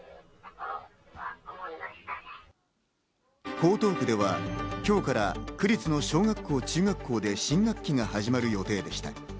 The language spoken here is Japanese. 江東区では今日から区立の小学校、中学校で新学期が始まる予定でした。